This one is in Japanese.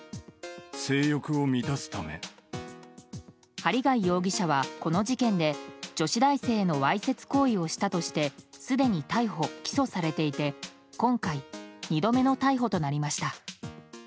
針谷容疑者はこの事件で女子大生へのわいせつ行為をしたとしてすでに逮捕・起訴されていて今回、２度目の逮捕となりました。